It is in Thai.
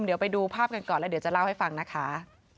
เดี๋ยวไปดูภาพกันก่อนแล้วเดี๋ยวจะเล่าให้ฟังนะคะ